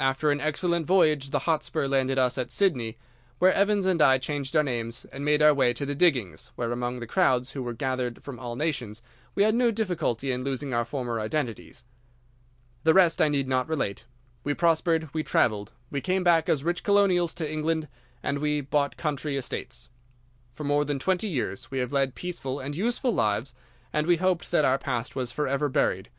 After an excellent voyage the Hotspur landed us at Sydney, where Evans and I changed our names and made our way to the diggings, where, among the crowds who were gathered from all nations, we had no difficulty in losing our former identities. "'The rest I need not relate. We prospered, we travelled, we came back as rich colonials to England, and we bought country estates. For more than twenty years we have led peaceful and useful lives, and we hoped that our past was forever buried.